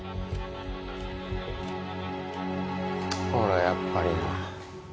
ほらやっぱりな。